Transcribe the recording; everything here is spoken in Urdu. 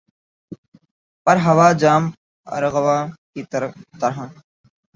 پر ہوا جام ارغواں کی طرح